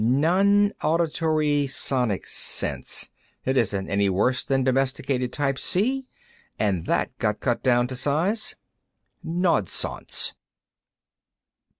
"Nonauditory sonic sense. It isn't any worse than Domesticated Type C, and that got cut down to size. _Naudsonce.